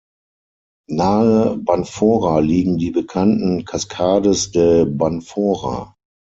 Nahe Banfora liegen die bekannten "Cascades de Banfora".